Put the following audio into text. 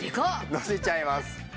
のせちゃいます。